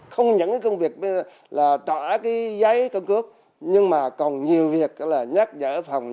không những cái công việc là trả cái giấy căn cước nhưng mà còn nhiều việc là nhắc nhở phòng